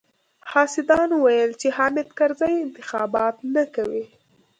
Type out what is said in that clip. حاسدانو ويل چې حامد کرزی انتخابات نه کوي.